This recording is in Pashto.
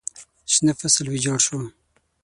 شنه فصل ویجاړ شو.